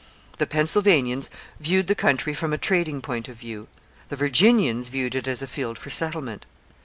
The Pennsylvanians viewed the country from a trading point of view; the Virginians viewed it as a field for settlement.